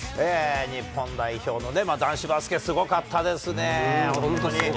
日本代表の男子バスケ、すごかったですね、本当に。